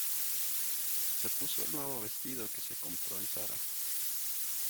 Se puso el nuevo vestido que se compró en Zara.